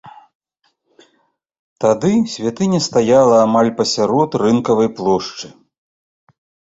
Тады святыня стаяла амаль пасярод рынкавай плошчы.